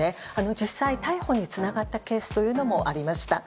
実際に逮捕につながったケースもありました。